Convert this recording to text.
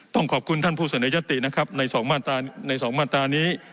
ต้องขอบคุณท่านผู้เสนอยตินะครับใน๒มาตราใน๒มาตรานี้